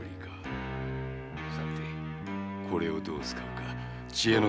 さてこれをどう使うか知恵の出しどころだ。